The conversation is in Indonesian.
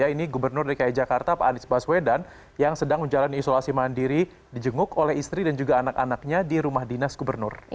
ini gubernur dki jakarta pak anies baswedan yang sedang menjalani isolasi mandiri dijenguk oleh istri dan juga anak anaknya di rumah dinas gubernur